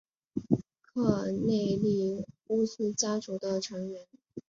科尔内利乌斯家族的成员。